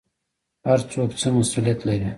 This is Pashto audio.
هر څوک څه مسوولیت لري؟